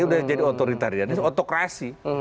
sudah jadi otoritarianis otokrasi